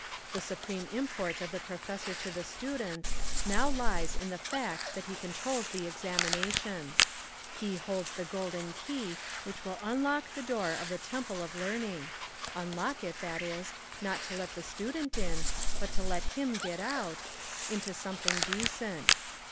The supreme im port of the professor to the students now lies in the fact that he controls the examinations. He holds the golden key which will unlock the door of the temple of learning, — unlock it, that is, not to let the student in, but to let him get out, — into something decent.